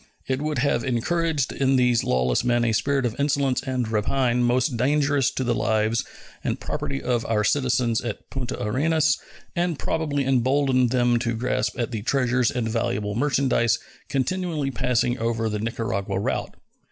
It would have encouraged in these lawless men a spirit of insolence and rapine most dangerous to the lives and property of our citizens at Punta Arenas, and probably emboldened them to grasp at the treasures and valuable merchandise continually passing over the Nicaragua route.